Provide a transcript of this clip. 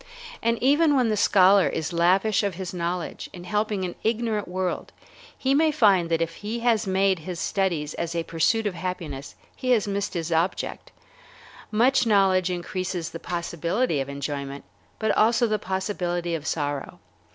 And even when the scholar is lavish of his knowledge in helping an ignorant world, he may find that if he has made his studies as a pursuit of happiness he has missed his object. Much knowledge increases the possibility of enjoyment, but also the possibility of sorrow.